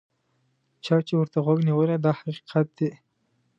چا چې ورته غوږ نیولی دا حقیقت دی.